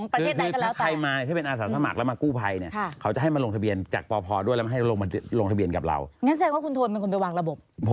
คือถ้าส่วนกู้ภัยจะอยู่กับป่อ